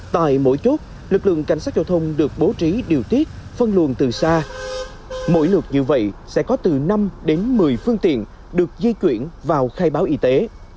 tại mỗi chốt lực lượng cảnh sát giao thông được bố trí điều tiết phân luồng từ xa mỗi lượt như vậy sẽ có từ năm đến một mươi phương tiện được di chuyển vào khai báo y tế